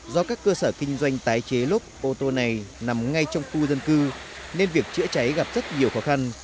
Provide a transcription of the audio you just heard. do các cơ sở kinh doanh tái chế lốp ô tô này nằm ngay trong khu dân cư nên việc chữa cháy gặp rất nhiều khó khăn